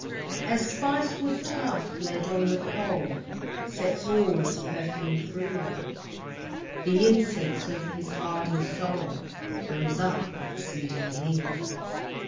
As spice wood tough, laid on the coal, Sets all its perfume free, The incense of his hardy soul Rose up exceedingly.